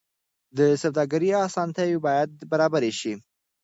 د سوداګرۍ اسانتیاوې باید برابرې شي.